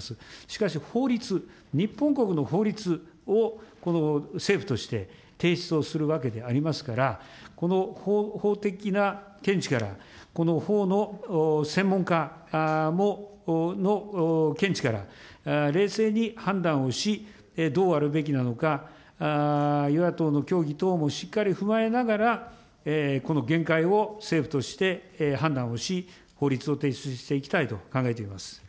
しかし、法律、日本国の法律をこの政府として、提出をするわけでありますから、法的な見地から、この法の専門家の見地から、冷静に判断をし、どうあるべきなのか、与野党の協議等もしっかり踏まえながら、このげんかいを、政府として判断をし、法律を提出していきたいと考えています。